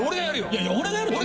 いやいや俺がやるよ。